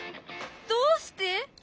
どうして？